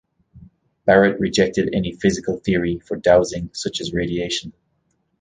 Barrett rejected any physical theory for dowsing such as radiation.